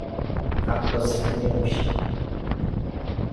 عباس اینا میان پیشم